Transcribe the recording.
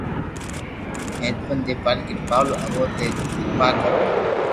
ھيدين ديال ڪرپالو امون تو ڪرپا ڪرو